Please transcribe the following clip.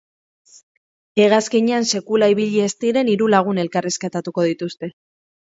Hegazkinean sekulan ibili ez diren hiru lagun elkarrizketatuko dituzte.